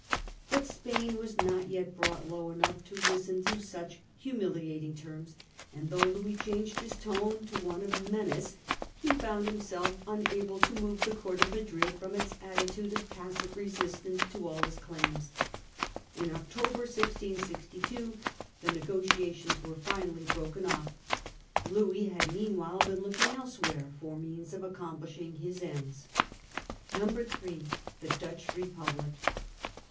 But Spain was not yet brought low enough to listen to such humiliating terms, and though Louis changed his . tone to one of menace, he found himself tions broken unable to move the court of Madrid from its off * attitude of passive resistance to all his claims. In October 1662 the negotiations were finally broken off*. Louis had meanwhile been looking elsewhere for means of accomplishing his ends. 3. The Dutch Republic.